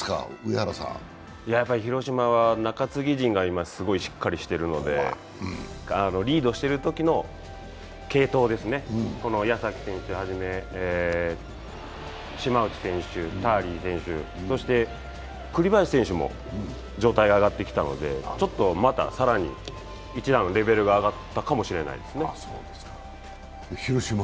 広島は中継ぎ陣が今、すごいしっかりしているので、リードしてるときの継投ですね、矢崎選手はじめ島内選手、ターリー選手、栗林選手も状態が上がってきたのでちょっとまた更に１段レベルが上がったかもしれないですね。